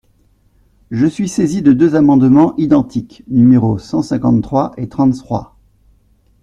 Je suis saisi de deux amendements identiques, numéros cent cinquante-trois et trente-trois.